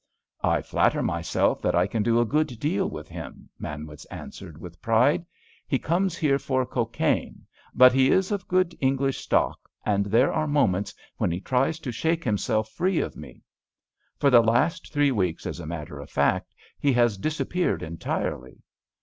"I flatter myself that I can do a good deal with him," Manwitz answered, with pride. "He comes here for cocaine, but he is of good English stock, and there are moments when he tries to shake himself free of me. For the last three weeks, as a matter of fact, he has disappeared entirely.